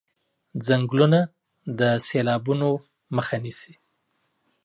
ځنګلونه د سېلابونو مخه نيسي.